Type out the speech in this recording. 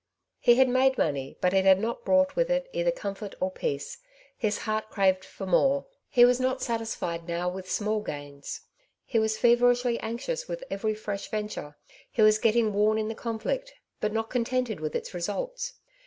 He had made money, but it had not brought with it either com fort or peace ; his heart craved for more j he was Uncertainty s Cares. 121 not satisfied now with small gains. He was fever ishly anxious with every fresh venture ; he was get ting worn in the conflict, but not contented with its results.